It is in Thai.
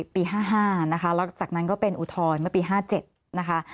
ปี๕๕นะคะแล้วจากนั้นก็เป็นอุทธรณ์เมื่อปี๕๗นะคะ